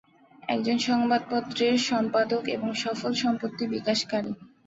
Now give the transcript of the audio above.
একজন সংবাদপত্রের সম্পাদক এবং সফল সম্পত্তি বিকাশকারী।